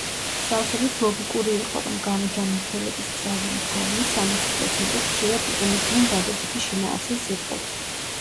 სავსებით ლოგიკური იყო, რომ გამოჯანმრთელების გზაზე მდგომნი, სამოცი პროცენტით ხშირად იყენებდნენ დადებითი შინაარსის სიტყვებს.